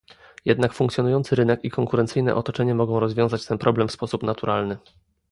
Jednak funkcjonujący rynek i konkurencyjne otoczenie mogą rozwiązać ten problem w sposób naturalny